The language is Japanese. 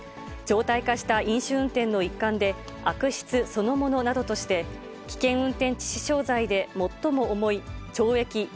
常態化した飲酒運転の一環で、悪質そのものなどとして、危険運転致死傷罪で最も重い懲役